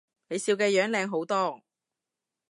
你笑嘅樣靚好多